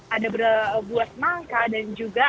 ada buah semangka dan juga